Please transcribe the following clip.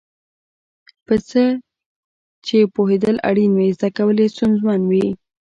په څه چې پوهېدل اړین وي زده کول یې ستونزمن وي.